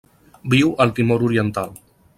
Viu al Timor Oriental.